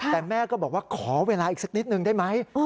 แต่แม่ก็บอกว่าขอเวลาอีกสักนิดนึงได้ไหม